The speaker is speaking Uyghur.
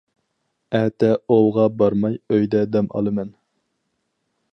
ئەتە ئوۋغا بارماي ئۆيدە دەم ئالىمەن.